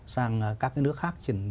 sang các nước khác